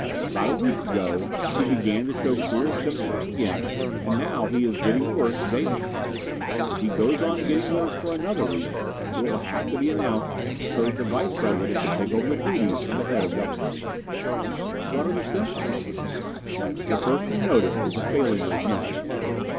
About a week ago he began to show queer symptoms again and now he is getting worse daily. If he goes on getting worse for another week, it will have to be announced so that the Vice President can take over the duties of the head of the government." "What are the symptoms?" "The first we noticed was a failing of his memory.